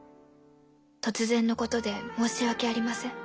突然のことで申し訳ありません。